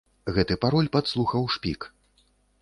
Гэты пароль падслухаў шпік.